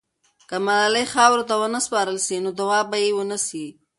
که ملالۍ خاورو ته ونه سپارل سي، نو دعا به یې ونسي.